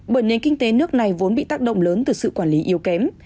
bởi nền kinh tế nước này vốn bị tác động lớn từ sự quản lý yếu kém